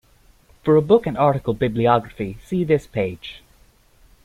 For a book and article bibliography, see this page.